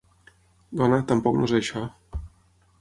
Dona, tampoc no és això.